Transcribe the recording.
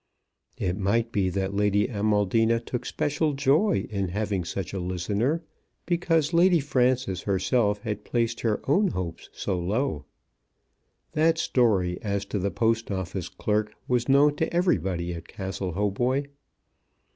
It might be that Lady Amaldina took special joy in having such a listener, because Lady Frances herself had placed her own hopes so low. That story as to the Post Office clerk was known to everybody at Castle Hautboy.